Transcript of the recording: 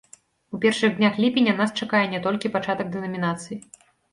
У першых днях ліпеня нас чакае не толькі пачатак дэнамінацыі.